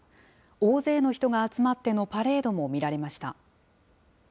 大勢の人が集まってのパレードも見られました。